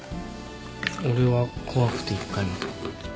俺は怖くて１回も